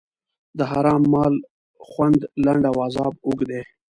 د حرام مال خوند لنډ او عذاب اوږد دی.